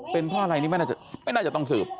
เป็นเพราะอะไรนี่ไม่น่าจะต้องสืบ